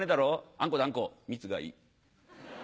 あんこだあんこ」「蜜がいい」。